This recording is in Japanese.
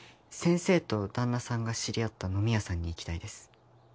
先生と旦那さんが知り合った飲み屋さんに行きたいです。